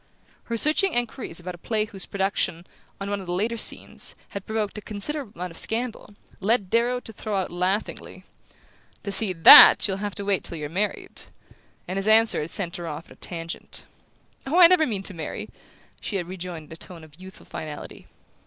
Her searching enquiries about a play whose production, on one of the latter scenes, had provoked a considerable amount of scandal, led Darrow to throw out laughingly: "To see THAT you'll have to wait till you're married!" and his answer had sent her off at a tangent. "Oh, I never mean to marry," she had rejoined in a tone of youthful finality.